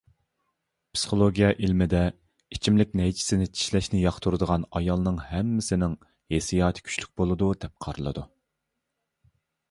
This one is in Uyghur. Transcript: پىسخولوگىيە ئىلمىدە، ئىچىملىك نەيچىسىنى چىشلەشنى ياقتۇرىدىغان ئايالنىڭ ھەممىسىنىڭ ھېسسىياتى كۈچلۈك بولىدۇ، دەپ قارىلىدۇ.